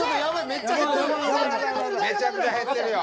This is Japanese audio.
めちゃくちゃ減ってるよ。